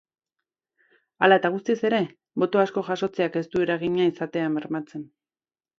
Hala eta guztiz ere, boto asko jasotzeak ez du eragina izatea bermatzen.